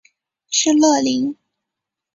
施乐灵。